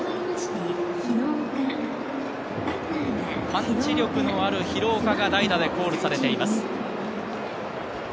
パンチ力のある廣岡が代打でコールされています。